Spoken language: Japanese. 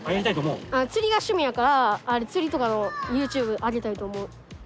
釣りが趣味やから釣りとかのＹｏｕＴｕｂｅ上げたいと思う。